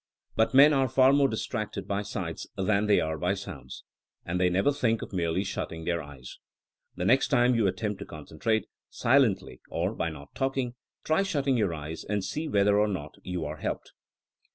But men are far more distracted by sights than they are by sounds. And they never think of merely shutting their eyes. The next time you attempt to concentrate — silently or by talking — ^try shutting your eyes and see whether or not you are helped.